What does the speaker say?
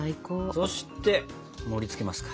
そして盛りつけますか。